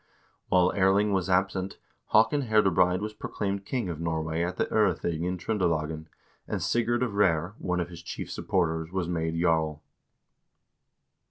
1 While Erling was absent, Haakon Herdebreid was proclaimed king of Norway at the 0rething in Tr0ndelagen, and Sigurd of Reyr, one of his chief supporters, was made jarl.